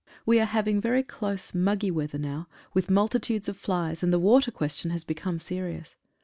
We are having very close, muggy weather now, with multitudes of flies, and the water question has become serious.